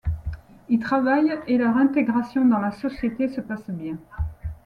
Ils travaillent et leur intégration dans la société se passe bien.